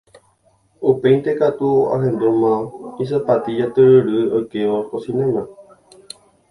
upéinte katu ahendúma isapatilla tyryryryry oikévo kosináme.